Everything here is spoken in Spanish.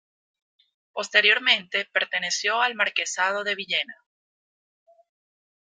Posteriormente, perteneció al marquesado de Villena.